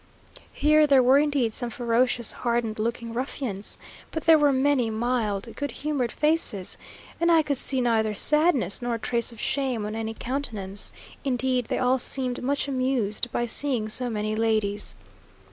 Here there were indeed some ferocious, hardened looking ruffians but there were many mild, good humoured faces; and I could see neither sadness nor a trace of shame on any countenance; indeed they all seemed much amused by seeing so many ladies.